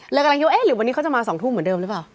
แล้วกระลักษณวินหรือวันนี้เขาจะมาสองทุ่มเหมือนเดิมรึเปล่า